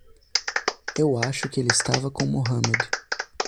Eu acho que ele estava com Mohamed.